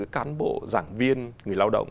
cán bộ giảng viên người lao động